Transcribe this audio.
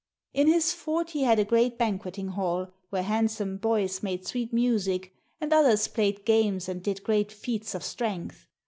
In his fort he had a great banqueting hall, where handsome boys made sweet music, and others played games and did great feats of strength.